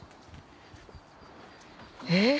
えっ？